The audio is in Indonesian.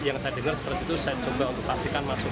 yang saya dengar seperti itu saya coba untuk pastikan masuk